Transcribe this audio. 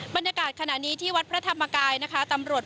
บรรยากาศขณะนี้ที่วัดพระธรรมไกร